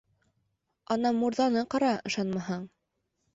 - Ана мурҙаны ҡара, ышанмаһаң...